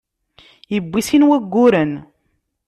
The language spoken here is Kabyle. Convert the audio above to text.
Yewwin sin wagguren.